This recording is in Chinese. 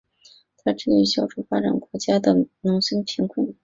它致力于消除发展中国家的农村贫困。